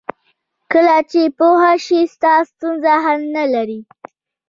کله چې پوه شې ستا ستونزه حل نه لري.